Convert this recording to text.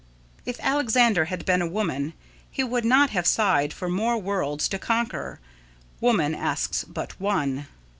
If Alexander had been a woman, he would not have sighed for more worlds to conquer woman asks but one.